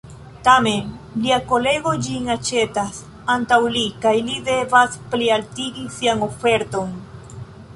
Tamen, lia kolego ĝin aĉetas antaŭ li, kaj li devas plialtigi sian oferton.